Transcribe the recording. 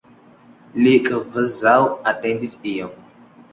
Li kvazaŭ atendis ion.